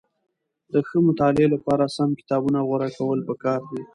د ښه مطالعې لپاره سم کتابونه غوره کول پکار دي.